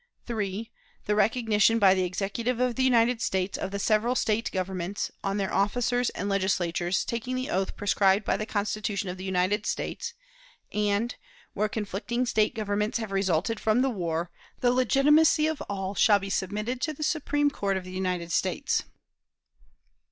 "3. The recognition by the Executive of the United States of the several State governments, on their officers and Legislatures taking the oath prescribed by the Constitution of the United States; and, where conflicting State governments have resulted from the war, the legitimacy of all shall be submitted to the Supreme Court of the United States.